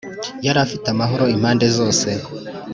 Yari afite amahoro impande zose